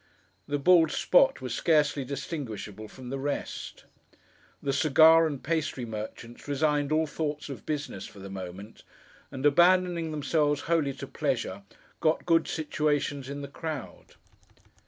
The bald spot was scarcely distinguishable from the rest. The cigar and pastry merchants resigned all thoughts of business, for the moment, and abandoning themselves wholly to pleasure, got good situations in the crowd.